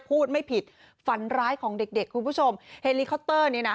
พูดไม่ผิดฝันร้ายของเด็กเด็กคุณผู้ชมเฮลิคอปเตอร์เนี่ยนะ